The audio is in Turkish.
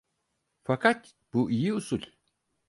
Fakat bu iyi usul…